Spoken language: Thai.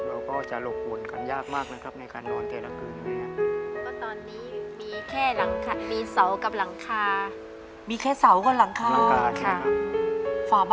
เราก็จะหลบหวนกันยากมากนะครับในการนอนแต่ละคืนนะครับ